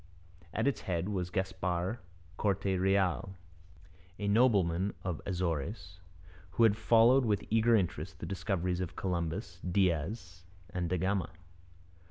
At its head was Gaspar Corte Real, a nobleman of the Azores, who had followed with eager interest the discoveries of Columbus, Diaz, and da Gama.